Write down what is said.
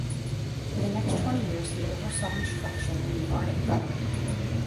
For the next twenty years he oversaw instruction in the art of gunnery.